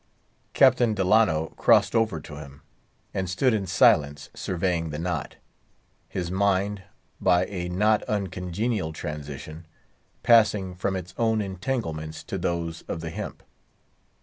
Captain Delano crossed over to him, and stood in silence surveying the knot; his mind, by a not uncongenial transition, passing from its own entanglements to those of the hemp.